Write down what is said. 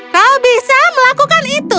kau bisa melakukan itu